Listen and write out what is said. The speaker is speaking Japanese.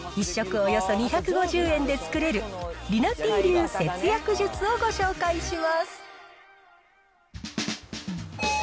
およそ２５０円で作れる、りなてぃ流節約術をご紹介します。